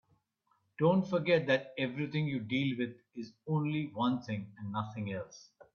Don't forget that everything you deal with is only one thing and nothing else.